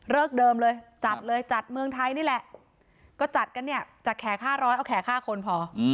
เดิมเลยจัดเลยจัดเมืองไทยนี่แหละก็จัดกันเนี่ยจัดแขก๕๐๐เอาแขก๕คนพอ